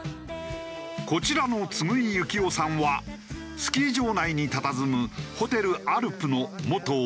こちらの次井雪雄さんはスキー場内にたたずむホテルアルプの元オーナー。